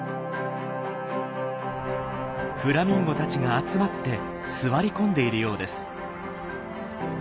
フラミンゴたちが集まって座り込んでいるようです。